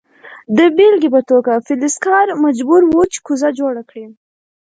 د بیلګې په توګه فلزکار مجبور و چې کوزه جوړه کړي.